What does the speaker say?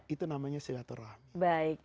itu namanya silaturahmi